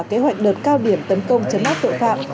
kế hoạch đợt cao điểm tấn công chấn áp tội phạm